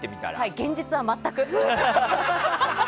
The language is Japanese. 現実は全く。